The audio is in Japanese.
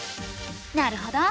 なるほど。